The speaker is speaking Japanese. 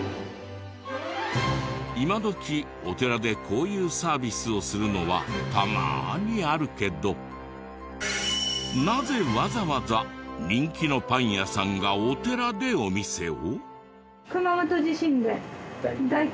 今どきお寺でこういうサービスをするのはたまにあるけどなぜわざわざ人気のパン屋さんがお寺でお店を？